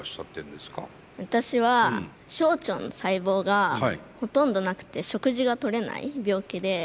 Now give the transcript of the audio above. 私は小腸の細胞がほとんどなくて食事がとれない病気で。